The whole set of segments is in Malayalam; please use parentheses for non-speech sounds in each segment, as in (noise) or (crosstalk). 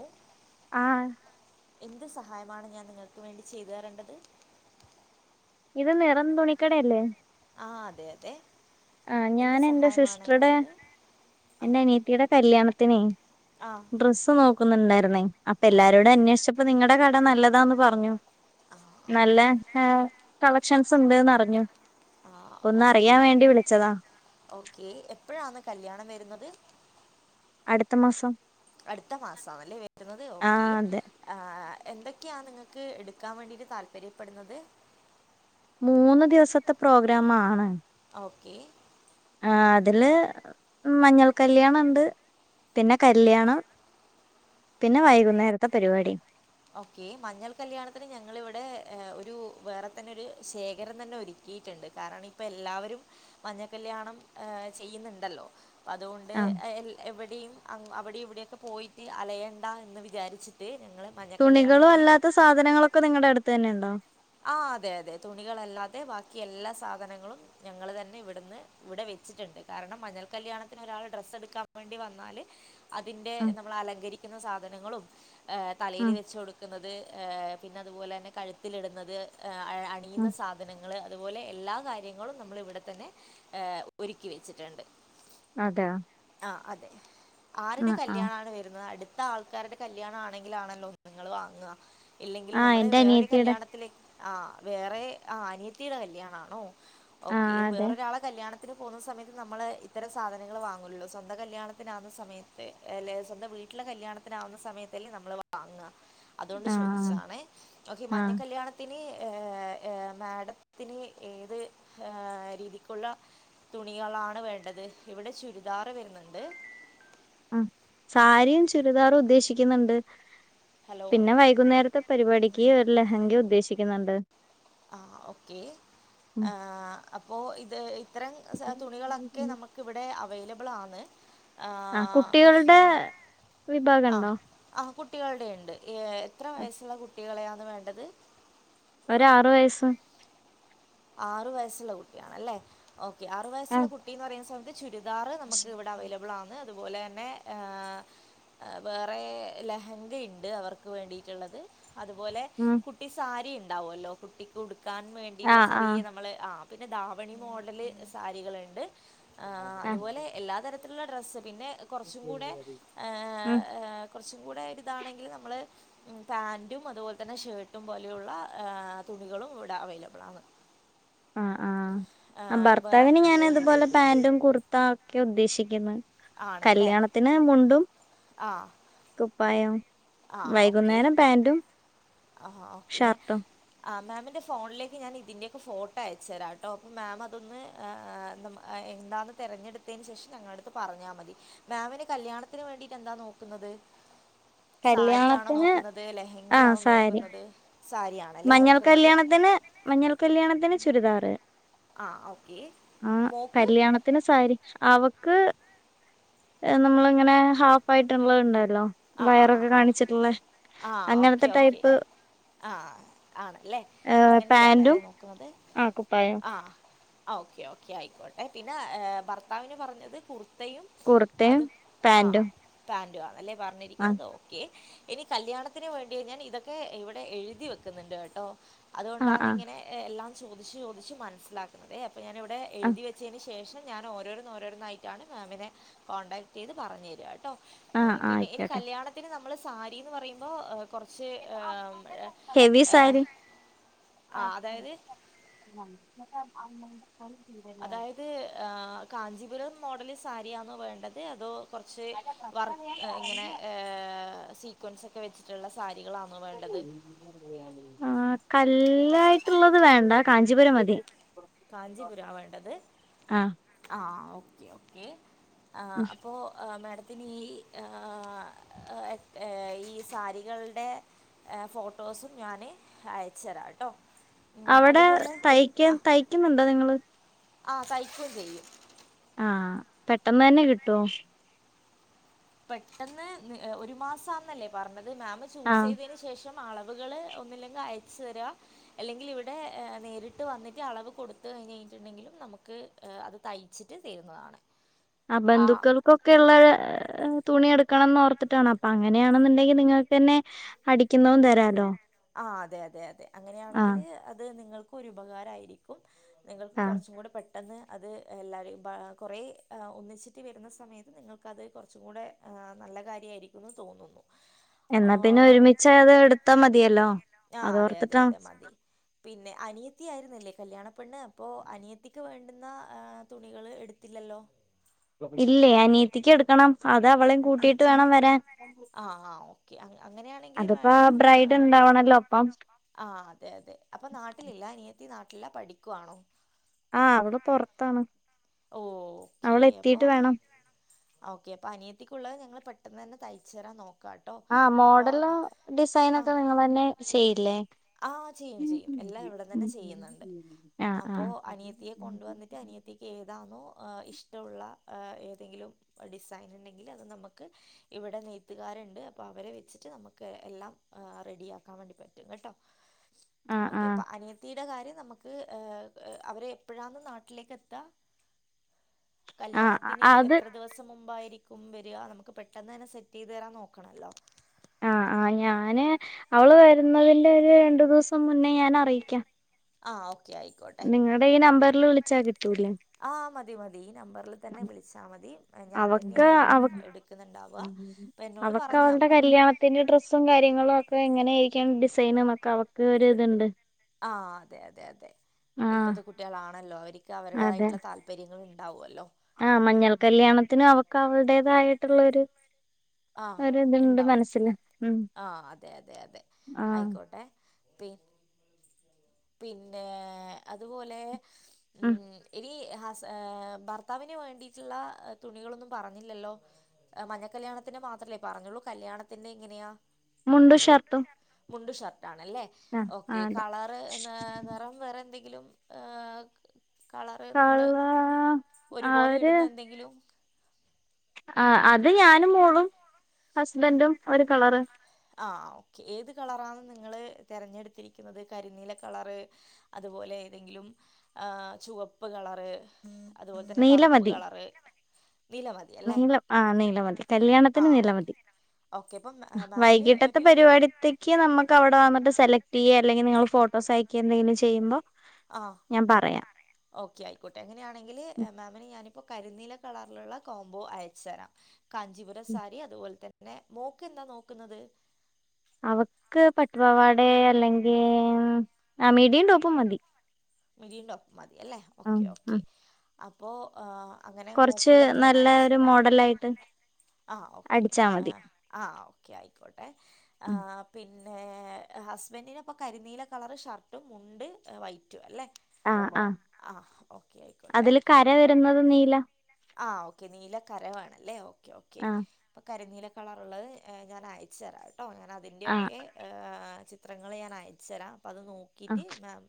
ഏ ആഹ് എന്ത് സഹായമാണ് ഞാൻ നിങ്ങൾക്ക് വേണ്ടി ചെയ്തു തരേണ്ടത് ഇത് നിറം തുണിക്കടയല്ലേ ആഹ് അതെ അതെ ആ എന്ത് ഞാൻ എൻറെ സഹായമാണ് സിസ്‌ട്രെടെ വേണ്ടത് ആ എന്റെ അനിയത്തീടെ കല്യാണത്തി- നെ ആ - ഡ്രെസ് നോക്കുന്നുണ്ടായി ന്നെ അപ്പൊ എല്ലാരോടേം അന്വേഷിച്ചപ്പോ നിങ്ങടെ കട ട നല്ലതാന്ന് പറഞ്ഞു നല്ല ആ കള ക്ഷൻസ് ഉണ്ട്ന്ന് അറിഞ്ഞു ആ ഒന്ന് ഓക്കെ അറിയാൻ വേണ്ടി വിളിക് ഓക്കെ എപ്പോഴാന്ന് കല്യാണം വരുന്നത് അടുത്ത മാസം അടുത്ത മാസണല്ലേ വരുന്നത് ഓക്കെ ആഹ് അതെ ആ എന്തൊക്കെയാ നിങ്ങൾക്ക് എടുക്കാ വേണ്ടിട്ട് താല്പര്യപ്പെടുന്നത് മൂന്ന് ദിവസത്തെ പ്രോഗ്രാമാണ് ഓക്കേ ആ അതില് മഞ്ഞൾ കല്യാണം ഇണ്ട് പിന്നെ കല്യാണം പിന്നെ വൈകുന്നേരത്തെ പരിപാടി ഓക്കെ മഞ്ഞൾ കല്യാണത്തിന് ഞങ്ങള് ഇവിടെ ഒരു വേറെ തന്നെ ഒരു ശേഖരം തന്നെ ഒരുക്കിട്ടുണ്ട് കാരണം ഇപ്പൊ എല്ലാവരും മഞ്ഞൾ കല്യാണം ഏ ചെയ്യുന്നുണ്ടല്ലോ അതുകൊണ്ട് ആഹ് എ എൽ എവടെയും അ ങ്ങ് അവടെ ഇവിടെയൊക്കെ പോയിട്ട് അലയണ്ട എന്ന് വിചരിച്ചിട്ട് ഞങ്ങള് തുണികളും അല്ലാത്ത സാധനങ്ങളൊക്കെ നിങ്ങടെ അടുത്ത് തന്നൊയാ ആഹ് ആ അതെ അതെ തുണികളല്ലാതെ ബാക്കി എല്ലാ സാധനങ്ങളും ഞങ്ങള് തന്നെ ഇവിടുന്ന് ഇവിടെ വെച്ചിട്ട്ണ്ട് കാരണം മഞ്ഞൾ കല്യാണത്തിന് ഒരാൾ ഡ്രസ്സ് എടുക്കാൻ വേണ്ടി വന്നാല് അതിന്റെ ഉം നമ്മൾ അലങ്കരിക്കുന്ന സാധ ധനങ്ങളും തലയില് ഉം വെച്ച് കൊടുക്കുന്നത് പിന്നെ അതുപോലെ തന്നെ കഴുത്തിലിടുന്ന ത് ഏ അണിയുന്ന ഉം സാധനങ്ങള് അതുപോലെ എല്ലാ കാര്യങ്ങളും നമ്മളിവിടെ തന്നെ ഒരുക്കി വെച്ചിട്ടുണ്ട് അതെയോ ആഹ് അതെ ആരുടെ ആഹ് ആഹ് കല്യാണാണ് വരുന്നത് അടു (unintelligible) ആൾക്കാരുടെ കല്യാണം ആണെങ്കിലാണല്ലോ നിങ്ങള് വാങ്ങുക ഇല്ലെങ്കില് ആഹ് നമ്മള് എന്റെ വേറൊരു അനിയത്തിയുടെ കല്യാണത്തിലേ ആ വേറെ ആ അനിയത്തിയുടെ കല്യാണം ആണോ ഓക്കെ ആഹ് അതെ വേറൊരാളെ കല്യാണ ത്തിന് പോകുന്ന സമയത്ത് നമ്മള് ഇത്തരം സാധനങ്ങൾ വാങ്ങുള്ളൂ സ്വന്തം കല്യാണത്തിനാവുന്ന സമയത്ത് അല്ലേ സ്വന്തം വീട്ടിലെ കല്യാണത്തിനാവുന്ന സമയത്തല്ലേ നമ്മള് വാങ്ങ്ക അതുകൊണ്ട് ആഹ് ചോദിച്ചാണെ ഓക്കെ മഞ്ഞ ആഹ് കല്യാണ നീ മാഡത്തിന് ഏത് ഹാ രീതിക്കുള്ള തുണികളാണ് വേണ്ടത് ഇവിടെ ചുരിദാറ് വരുന്നുണ്ട് ഉം സാരിയും ചുരിദാറും ഉദ്ദേശിക്കുന്നുണ്ട് ഹലോ പിന്നെ വൈകുന്നേരത്തെ പരിപാടിക്ക് ഒരു ലഹങ്ക ഉദ്ദേശിക്കുന്നുണ്ട് ആ ഓക്കെ ഉം ആ അപ്പോൾ ഇത് ഇത്തരം തുണികളൊക്കെ നമുക്ക് ഇവിടെ അവൈല ളാണ് ആ കുട്ടികളുടെ വിഭാഗം ഉണ്ടോ ആ കുട്ടികളുടെ ഉണ്ട് എത്ര വയസ്സുള്ള കു കളെയാണ് വേണ്ടത് ഒര് ആറു വയസ് ആറു വയസ്സുള്ള കുട്ടിയാണല്ലേ ഓക്കെ ആറ് വയസ്സുള്ള ആഹ് കുട്ടി എന്ന് പറയുന്ന സമയത്ത് ചുരി ചുരിദാറ് നമുക്ക് ഇവിടെ അവൈല അവൈലബിൾ അതുപോലെ തന്നെ ആ വേറെ ലഹങ്ക ഇണ്ട് അവർക്ക് വേണ്ടിയിട്ടുള്ളത് അതുപോലെ ഉം കുട്ടി സാരി ഇ ഉണ്ടാവുമല്ലോ കുട്ടിക്കു ഉടു കുടിക്കാൻ വേണ്ടിയുള്ള ആഹ് ചെറിയ ആഹ് നമ്മള് ആ പിന്നെ ദാവണി മോഡല് സാരികളുണ്ട് ആ ആഹ് അതുപോലെ എല്ലാ തര നല്ല ഡ്രസ്സ് ഉണ്ട് പിന്നെ കുറച്ചും കൂടെ ഉം ആ കുറച്ച് കൂടെരിതാണെങ്കിൽ നമ്മള് പാന്റും അതുപ്പോലെത്തന്നെ ഷേർട്ടും പോലെയുള്ള തുണികളുമിവിടെ അവൈലബിളാണ്. ആഹ് ആഹ് ആ വേറെ ഭർത്താവിന് ഞാനതുപ്പോലെ പാന്റും കുർ ഇഉദ്ദേശിക്കുന്ന് ആണല്ലേ കല്യാണത്തിന് മുണ്ടും ആ കുപ്പായം ആ ഓക്കെ ആ ഓക്കെ ഷർട്ടും ആ മാമ്മിന് ഫോണിലേക്ക് ഞാനിതിന്റെയൊക്കെ ഫോട്ടോ അയച്ച് തരാം ട്ടോ. അപ്പൊ മാം അതൊന്ന് എന്താന്ന് തെരഞ്ഞെടുത്തേന് ശേഷം ഞങ്ങളെടുത്ത് പറഞ്ഞാ മതി. മാമ്മിന് കല്യാണത്തിന് വേണ്ടിട്ട് എന്താ നോക്കുന്നത്? സാരിയാണോ കല്യാണത്തിന് നോക്കുന്നത്, ആഹ് ലെഹങ്കയാവോ സാരി നോക്കുന്നത്? സാരിയാണല്ലേ മഞ്ഞൾ നോക്കുന്നത് കല്യാണത്തിന് ചുരിദാറ് ആ ഓക്കെ ആ മോൾക്ക് കല്യാണത്തിന് സാരി. അവ ക്ക് നമ്മെളിങ്ങനെ ഹാഫായിട്ടുള്ളത് ണ്ട ആ ആ ആ വയറൊക്കെ ആ കാണിച്ചിട്ടൊള്ളേ അങ്ങനത്തെ ടൈപ്പ് ആഹ് ആണല്ലേ പാന്റും അങ്ങനത്തെയാണല്ലേ നോക്കുന്നത്? ആ കുപ്പായം ആ ഓക്കെ ഓക്കെ ആയിക്കോട്ടെ. പിന്നെ ഭർത്താവിന് പറഞ്ഞത് കുർ യും അത് കുർത്തയും ആ പാന്റും പാൻ അതല്ലെ പ ആ നികിന്ത് ഓക്കെ ഇനി കല്യാണത്തിന് വേണ്ടി. ഞാനിതൊക്കെ ഇവടെ എഴുതി വെക്കുന്നുണ്ട് കേട്ടോ. ആ ആ അതുകൊണ്ടാന്നിങ്ങനെയെല്ലാം. ചോദിച്ചു ചോദിച്ചു മനസ്സിലാക്കുന്നതേ ഞാനിവിടെ എഴുതി വെച്ചേന് ശേഷം ഞാൻ ഓരോരുന്ന് ഓരോരുനിന്നായിട്ടാണ് മാമ്മിനെ കോൺടാക്ട് ചെയ്ത് പറഞ്ഞു തരാട്ടോ. ആഹ് ആയിക്ക കല്യാണത്തിന് നമ്മള് സ സാരീന്ന് പറയുമ്പോ കൊറച്ച് ഹെവി ഏ സാരി ആ അതായത് അമ്മേന്റേ അതായത് ആഹ് കാഞ്ചീപുരം മോഡല് സാരിയാന്നോ വേണ്ടത്. അതോ? കൊറച്ച് വർക്ക് ഇങ്ങനെ ഏഹ് സീക്വൻസൊക്കെ വെച്ചിട്ടുള്ള സാ- ആ കല്ലായിട്ടുള്ളത് വേണ്ട കാഞ്ചീപുരം മതി കാഞ്ചീപുര വേണ്ടത് ആ ആഹ് ഒ കെ ഒ കെ ആ അപ്പൊ മാഡത്തി ഈ ഈ സാരികളുടെ ഫോട്ടോസും ഞാന് അയച്ചു തരാട്ടോ അവിടെ തയ്ക്ക ത ക്കുന്നുണ്ടോ നിങ്ങള് ആ തൈക്കോ ചെയ്യും. ആ പെട്ടെന്ന് തന്നെ കിട്ടോ പെട്ടെന്ന് ഒരു മാസംമാന്നല്ലേ പറഞ്ഞത് അതെ മാമം ചൂസ് ആഹ് ചെയ്തതിന് ശേഷം അളവുകൾ ഒന്നില്ലെങ്കിൽ അയച്ചു തരിക അല്ലെങ്കിൽ ഇവിടെ നേരിട്ട് വന്നിട്ട് അളവ് കൊടുത്ത കഴിഞ്ഞ് കഴിഞ്ഞിട്ടുണ്ടെങ്കിലും നമുക്ക് അത് തയ്ച്ചിട്ട് തരുന്നതാണ്. ആ ബന്ധുക്കൾക്കൊക്കെള്ള തുണി എടുക്കണന്ന് ഓർത്തിട്ടാണ് അപ്പൊ അങ്ങനെയാണെന്നുണ്ടെങ്കിൽ നിങ്ങൾക്ക് തന്നെ അടിക്കുന്നതും തരാല്ലോ. ആ അതെ അതെ അതെ അങ്ങനെയാണെങ്കിൽ അത് നിങ്ങൾക്ക് ഒരുഉപകാരായിരിക്കും നിങ്ങൾക്ക് ആഹ് കുറചുക്കൂടെ പ പെട്ടെന്ന് അത് എല്ലാരും കുറേ ഒന്നിച്ചിട്ട് വരുന്ന സമയത്ത് നിങ്ങൾക്കത് കുറച്ചു കൂടെ നല്ല കാര്യമായിരിക്കുമെന്ന് തോന്നുന്നു. എന്നാ പിന്നെ ഒരുമിച്ച അത് എടുത്താ മതി ആ അതെ അതെ അതെ മതി പിന്നെ അനിയത്തി ആയിരുന്നല്ലേ കല്യാണ പെണ്ണ് അപ്പൊ അനിയത്തിക്ക് വേണ്ടുന്ന തുണികള് എടുത്തില്ലല്ലോ ഇല്ലേ അനീത്തിക്ക് എടുക്കണം അത് അവളയും കൂട്ടിട്ട് വേണം വരാൻ ആ ആ ഓകെ അങ്ങനെയാണെങ്കിൽ അതിപ്പോ മാഡം ബ്രൈഡ് ഉണ്ടാവണല്ലോ അപ്പം ആ അതെ അതെ അപ്പൊ നാട്ടിലില്ല നാട്ടില പഠിക്കുവാണോ ആ അവള് പൊറത്താണ് ഓ ഓക്കേ അപ്പൊ വേണം ഓക്കെ അപ്പൊ അനിയത്തിക്കുള്ളത് ഞങ്ങള് പെട്ടെന്ന് തന്നെ തയ്ചെരാൻ നോക്ക ആഹ മോഡല് ആ ഡിസൈനൊക്കെ നിങ്ങളന്നെ ചെയ്യില്ലേ ആ ചെയ്യും ചെയ്യും എല്ലാം ഇവിട ന്നെ ചെയ്യുന്നുണ്ട് ആഹ് അപ്പോ ആഹ് അനിയത്തിയെ കൊണ്ടുവന്നിട്ട് അനിയത്തിക്ക് ഏതാണോ ഇഷ്ടള്ള ഏതെങ്കിലും ഡിസൈൻ ണ്ടെങ്കിൽ അത് നമുക്ക് ഇവിടെ നെയ്ത്തുകാരുണ്ട് അപ്പോൾ അവരെ വെച്ചിട്ട് നമുക്ക് എല്ലാം റെഡിയാക്കാൻ വേണ്ടി പറ്റും കേട്ടോ ആഹ് ഓക്കെ ആഹ് പ്പ അനിയ ഇ കാര്യം നമുക്ക് അവരെ എപ്പോഴാന്ന് നാട്ടിലേക്ക് എത്താ ആഹ് കല്യാണത്തിന് അത് എത്ര ദിവസം മുമ്പായി വര നമുക്ക് പെട്ടെന്ന് തന്നെ സെറ്റ് ചെയ്ത് തരാൻ നോക്കണല്ലോ ആഹ ആഹ ഞാന് അവള് വരുന്നതിന്റെ ഒരു രണ്ടു ദിവസം മുന്നേ ഞാൻ അറിയിക്കാം ആ ഓ നിങ്ങളുടെ ഈ നമ്പറിൽ വിളിച്ചാ കിട്ടൂല്ലേ തി മതി നമ്പറിൽ തന്നെ വിളിച്ചാൽ മതി ഞാൻ തന്നെ അവക്ക് ആയിരിക്കും എടുക്കുന്നുണ്ടാവുക അപ്പം എന്നോട് പറഞ്ഞാൽ അവളടെ മതി കല്യാണത്തിന്റെ ഡ്രെസ്സും കാര്യങ്ങളും ഒക്കെ എങ്ങനെരിക്ക സൈനക്കെ അവക്ക് ഒര് ഇതുണ്ട് ആ അതെ അതെ അതെ ആഹ് ഇപ്പത്തെ കുട്ടികളാണല്ലോ അവർക്ക് അവരുടതായിട്ടുള്ള താല്പര്യങ്ങള ഉണ്ട് ഉണ്ടാവുമല്ലോ ആഹ മഞ്ഞൾ കല്യാണത്തിനും അവക്ക് അവളടേതായിട്ടുള്ള ഒരു ആ ഒ ഇതുണ്ട് ഉണ്ടാവും മനസ്സില് ഉം ആ അതെ ആഹ പിന്നെ പിന്നെ അതുപോലെ ഉം ഇനി ഹ ഹ ഭർത്താവിന് വേണ്ടിയിട്ടുള്ള തുണികളൊന്നും പറഞ്ഞില്ലല്ലോ മഞ്ഞ കല്യാണത്തിന്ടെ മാത്രമല്ലേ പറഞ്ഞുള്ളൂ കല്യാണത്തിന്റെറെ എങ്ങനെയാ മുണ്ടു ഷർട്ടും മുണ്ടും ഷർട്ടും ആണല്ലേ ആഹ് ഓക്കെ ആഹ് അതെ കളർ നിറം വേറെ എന്തെ ങ്കിലും കളറ് നിങ്ങള് കള ഒരുപോലെ ഇടുന്ന എന്തെങ്കിലും ആ അത് ഞാനും മോളും ഹസ്ബൻറും ഒരു കളറ് ആ ഓക്കെ ഏത് കളറാണ് നിങ്ങൾ തിരഞ്ഞെടുത്തിരിക്കുന്നത് കരിനീല കളറ് അതുപോലെ ഏതെങ്കിലുംആ ചുവപ്പ് കളറ് അതുപോലെ തന്നെ നീല കറുപ്പ് മതി കളർ നീല ആ നീലമതി ആ കല്യാണത്തിന് ഓക്കെ നിലമതി ഓക്കെ അപ്പം മ മാ- മാമിന് വൈകിട്ടത്തെ ഒരു പരിപാടത്തേക്ക് നമുക്ക് അവിടെ വന്നട്ട് സെലക്ട് ചെയ്യാം അല്ലെങ്കിൽ നിങ്ങൾ ഫോട്ടോ സയക്ക് എന്തെങ്കിലും ചെയ്യുമ്പോ ആ ഞാൻ പറയാം ഓക്കെ ആയിക്കോട്ടെ അങ്ങനെയാണെങ്കിൽ ഉം, മാമിന് ഞ ഇപ്പൊ കരിനീല കളറിലുള്ള കോംബോ അയച്ചു തരാം കാഞ്ചീപുര ഉം. സാരി അതുപോലെ തന്നെ പിന്നെ മോക്ക്ന്താ നോക്കുന്നത് അവക്ക് പട്ടുപവാടെ അല്ലെങ്കിൽ ഉമ് ആ മീടീം ടോപ്പും മതി മിടീം ടോപ്പും മതി അല്ലേ ഉം ഓക്കേ ഓക്കേ ഉം അപ്പോ ആ അങ്ങനെ കുറച്ച് മോക്കുള്ളതും ഞാൻ നല്ല അയച്ചു ഒരു തരാം മോഡലായിട്ട് ആ ഓക്കെ അടിച്ചാ ആ മതി ആ ഓക്കെ ആയിക്കോട്ടെ ആ ഉം. പിന് പിന്നെ ഹസ്ബന്റിനപ്പ കരിനീല കളർ ഷർട്ടും മുണ്ട് വൈ റ്റും അല്ലേ ആ ഓക്കേ ആയിക്കോട്ടെ അതില് കര വരുന്നത് നീല ആ ഓക്കെ നീലക്കരവേണല്ലേ ഓക്കേ ഓക്കെ ആ കര നീലക് കളറ്ള്ളത് ഞാൻ അയച്ചു തരാം ട്ടോ ഞാൻ ആ അതിൻ്റെയൊക്കെ ഹ് ചിത്രങ്ങള് ഞാൻ അയച്ചരാം അത് ആ നോക്കിറ്റ് മാം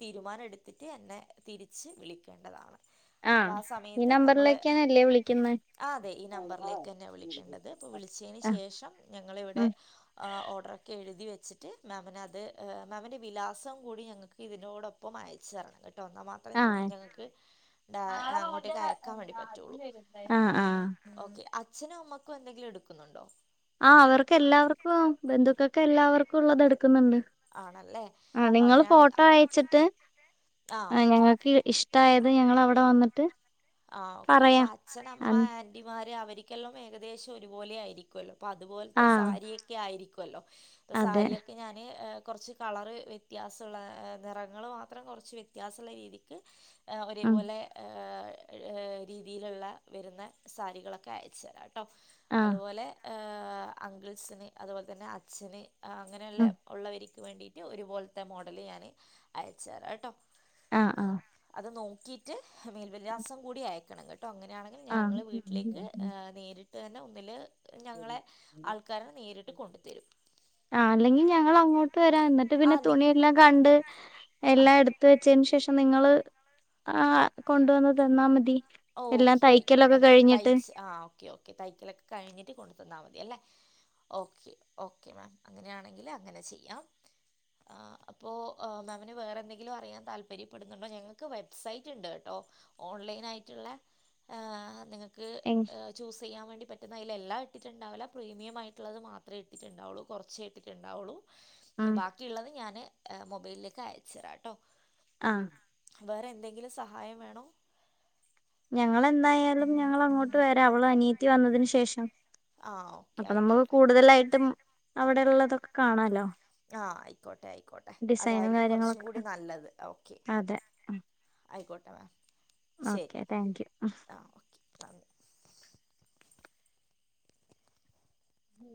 തീരുമാനെട്ത്തിറ്റ് എന്നെ തിരിച്ച് വിളിക്കേണ്ടതാണ് അപ്പൊ ആ ഈ സമയത്ത് നമ്മള് നമ്പറിലേക്കാണല്ലേ വിളിക്കുന്നത് ആ അതെ ഈ നമ്പറിലേക്ക് തന്നെ വിളിക്കേണ്ടത് അപ്പ വിളിച്ചതിന് ആ ശേഷം ഞങ്ങളിവിടെ ഉം ഓഡരൊക്കെ എഴുതി വെച്ച ച്ചിട്ട് മാമിനത്എ മാമിന്റെ വിലാസം കൂടിങ്ങങ്ങക്ക് ഇതി നൊടൊപ്പം അയച്ച് തരണം കെട്ടോ ട്ടൊ ന്നാൽ മാത്രേ ആ ഞങ്ങക്ക് ഡ നാളെ അവന്റെ അങ്ങോട്ടേക്ക് ക- അയക്കാൻ വേണ്ടി ആ പറ്റൊള്ളൂ അതിന് വരുന്നുണ്ടായിരുന്നു. ആ ആ അച്ഛനുമ്മ ക്കും എന്തെങ്കിലും എട്ക്കുന്നുണ്ടോ ആ അവർക്കെല്ലാവർക്കും ബന്ധുക്കക്കെല്ലാവർക്കും ഉള്ളത് എട് ക്ക്ന്ന്ണ്ട് ആണല്ലേ ആ അപ്പം നിങ്ങള് അങ്ങനെയാണ് ഫോട്ടോ അയച്ച്ട്ട് ആ ഞങ്ങക്ക് ഇഷ്ട്ടായത് ഞങ്ങളവ് വട വന്നിട്ട് ആ ഓക്കെ ഇപ്പ പറയാം അച്ഛൻ, അമ്മ, അൻ- ആന്റിമാര് അവര് ഓരിക്കെല്ലാം ഏകദേശം ഒരുപോലെ ആയിരിക്കുല്ലോ അപ്പം അതുപോലത്തെ ആ സാരിയൊക്കെ ആയിരിക്കും വല്ലോ പ്പോ അതെ സാരിയൊക്കെ ഞാന് കൊറച്ച് കളർ വ്യത്യാസള്ള നിറങ്ങള് മാത്രം കൊറച്ച് വ്യത്യാസള്ള രീതിക്ക് ഉം, ഒരേപോലെ ഹ് രീതിയില്ള്ള വര്ന്ന സാരികളൊക്കെ അയച്ച് തരാട്ട ട്ടോ ആ അതുപോലെ അങ്കിൾസിന് അതുപോലെ തന്നെ അച്ഛന് അങ്ങനെഉള്ള ഉം, ഉള്ളവര് ക്ക് വേണ്ടിയിട്ട് ഒര്പോലത്തെ മോഡല് ഞാൻ അയച്ച തരാട്ടോ ആഹ് ആഹ് അത് നോക്കിയിറ്റ് മേൽവിലാസം കൂടി അയക്കണം കേട് ട്ടോ അങ്ങനെണെങ്കിൽ ആ ഞങ്ങൾ വീട്ടിലേക്ക് നേരിട്ട് തന്നെ ഒന്നില് കൊണ്ടുത്തരും ആ അല്ലെങ്കി ഞങ്ങൾ അങ്ങോട്ട് വരാ എന്നിട്ട് ആ പിന്നെ നി തുണെല്ലാം കണ്ട് ആ എല്ലാം എടുത് വെച്..... അതിനന് ശേഷം നിങ്ങള് ആ കൊണ്ടുതന്നാൽ മതി എല്ലാം ഓക്കെ ആയിക്കോട്ടെ തയ്ക്കലൊക്കെ കഴിഞ്ഞിട്ട് തയ്ച്ച് ആ ഓക്കെ ഓക്കെ തയ്ക്കലൊക്കെ കഴിഞ്ഞിട്ട് കൊട്.... അല്ല ഓക്കെ ഓക്കെ മാ അങ്ങനണങ്കിൽ അങ്ങനെമേമിന് മ വേറെന്തെങ്കിലും അറിയാൻ താല്പര്യപ്പെുന്നുണ്ടോ ഞങ്ങൾക്ക് വെബ്സൈറ്റ് ഉണ്ട് കേട്ടോ ഓൺലൈൻയായിട്ടു.... യിട്ടുള്ള ആ നിങ്ങ... ക്ക് എങ്- ചൂസ് ചെയ്യാൻ വേണ്ടി പറ്റുന്ന എന്ന അതില എല്ലാം ഇട്ടിട്ടുണ്ടാവില്ല പ്രമിയമായിട്ടുള്ളത് മാത്രമേ ഇട്ടിട്ടണ്ടാവുള്ളൂ കുറചേ ഇട്ടിട്ടുണ്ടാവുള്ളൂ ഉം, ബാക്കിയുള്ളത് ഞാന് മൊബൈലിലേക്ക് അയച്ചു തരാ കേട്ടോ ആ വേറെ എന്തെങ്കിലും സഹായം വേണോ? ഞങ്ങെന്തായാലും ഞങ്ങ അങ്ങോട്ട് വരാ അവള് അനിയത്തി വന്നതിന് ശേ.... ശേഷം ആഹ് ഓക്കെ അപ്പൊ നമ്മുക്ക് ആയിക്കോട്ടെ കൂടുതലായിട്ടും അവിടെ ഉള്ള..... തൊക്കെ കാണാലോ ആ ആയിക്കോട്ടെ ആയിക്കോട്ടെ ഡിസൈനും അതായിരിക്കും കൊറച്ചും കാര്യങ്ങളൊക്കെ കൂടി നല്ലത് ഓക്കെ ആയിക്കോട്ടാ മാമ ഓക്കേ താങ്ക് യു ഓക്കെ നന്ദി ഉം